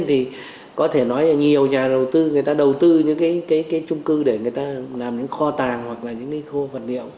thì có thể nói là nhiều nhà đầu tư người ta đầu tư những cái trung cư để người ta làm những kho tàng hoặc là những cái khu vật liệu